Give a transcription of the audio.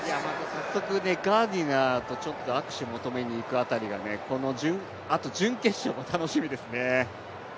早速、ガーディナーと握手を求めにいく辺りが、このあとの準決勝も楽しみですね。